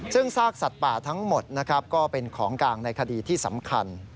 ซึ่งซากสัตว์ป่าทั้งหมดนะครับก็เป็นของกลางในคดีที่สำคัญ